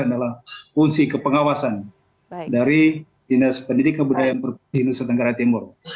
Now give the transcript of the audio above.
tidak terpisah adalah fungsi kepengawasan dari dinas pendidikan dan kebudayaan perusahaan indonesia tenggara timur